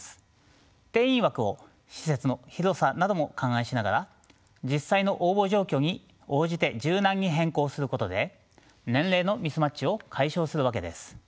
定員枠を施設の広さなども勘案しながら実際の応募状況に応じて柔軟に変更することで年齢のミスマッチを解消するわけです。